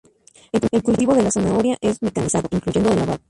El cultivo de la zanahoria es mecanizado, incluyendo el lavado.